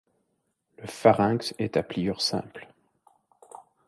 Le pharynx est à pliure simple.